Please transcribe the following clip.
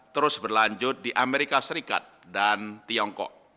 terus berlanjut di amerika serikat dan tiongkok